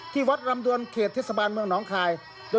ที่วัดลำดวนเขตเทศบาลเมืองหนองคาย